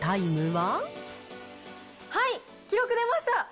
はい、記録出ました。